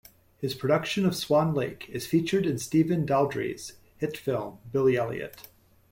His production of "Swan Lake" is featured in Stephen Daldry's hit film "Billy Elliot".